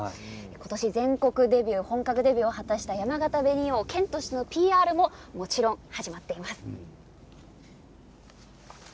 今年全国デビュー本格デビューを果たしたやまがた紅王を県としてＰＲも始まっています。